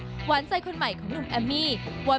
หวานใจของกลุ่มแอมมี่ว่า